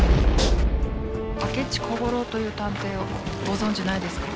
明智小五郎という探偵をご存じないですか？